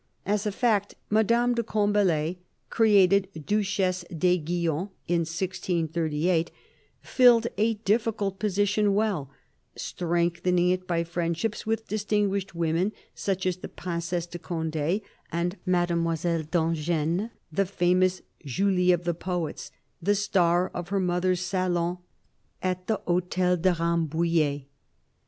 As a fact, Madame de Combalet — created Duchesse d'Ai guillon in 1638— filled a difficult position well; strengthen ing it by friendships with distinguished women such as the Princesse de Cond6 and Mademoiselle d'Angennes, the famous Julie of the poets, the star of her mother's salon at the Hotel de Rambouillet.